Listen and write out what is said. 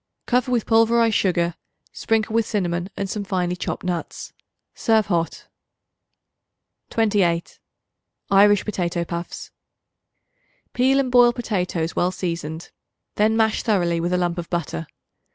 Cover with pulverized sugar; sprinkle with cinnamon and some finely chopped nuts. Serve hot. 28. Irish Potato Puffs. Peel and boil potatoes well seasoned; then mash thoroughly with a lump of butter.